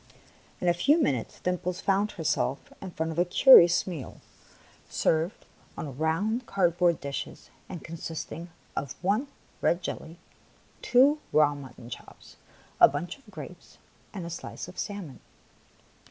In a few minutes, Dimples found herself in front of a curious meal, served on round cardboard dishes and consisting of one red jelly, two raw mut ton chops, a bunch of grapes, and a slice of salmon.